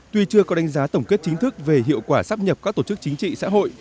tuy chưa có đánh giá tổng kết chính thức về hiệu quả sắp nhập các tổ chức chính trị xã hội